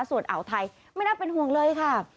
ส่วนอ่าวไทยไม่น่าเป็นห่วงเลยค่ะ